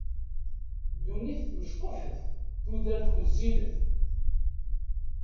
Ddunit mecṭuḥet, tudert wezzilet.